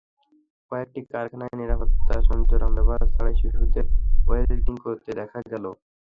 কয়েকটি কারখানায় নিরাপত্তা সরঞ্জাম ব্যবহার ছাড়াই শিশুদের ওয়েলডিং করতে দেখা গেল।